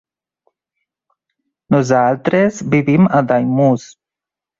Nosaltres vivim a Daimús.